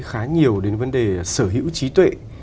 khá nhiều đến vấn đề sở hữu trí tuệ